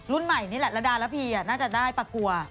รุ่นใหม่นี่แหละระดาระพีน่าจะได้ปลากัว